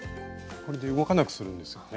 これで動かなくするんですよね。